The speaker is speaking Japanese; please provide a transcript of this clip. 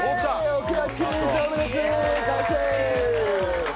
オクラチーズオムレツ完成！